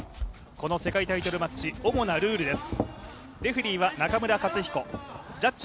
この世界タイトルマッチ、主なルールです。